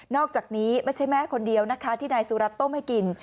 อกจากนี้ไม่ใช่แม่คนเดียวนะคะที่นายสุรัตนต้มให้กิน